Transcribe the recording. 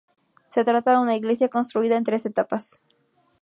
Se trata de una iglesia construida en tres etapas.